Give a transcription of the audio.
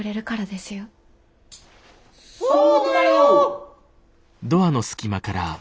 そうだよ！